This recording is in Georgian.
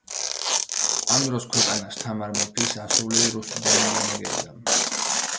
ამ დროს ქვეყანას თამარ მეფის ასული რუსუდანი განაგებდა.